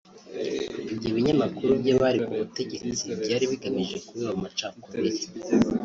Ibyo binyamakuru by’abari ku butegetsi byari bigamije kubiba amacakubiri